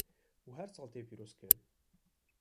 û her sal tê pîrozkirin.